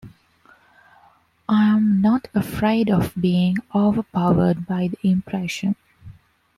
I am not afraid of being overpowered by the impression.